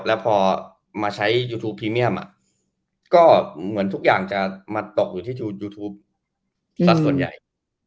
แล้วพอมาใช้ยูทูปพรีเมียมก็เหมือนทุกอย่างจะมาตกอยู่ที่ยูทูปสักส่วนใหญ่